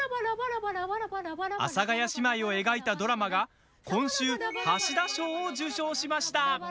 阿佐ヶ谷姉妹を描いたドラマが今週、橋田賞を受賞しました。